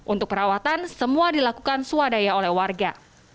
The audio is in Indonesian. untuk perawatan semua dilakukan swadaya oleh warga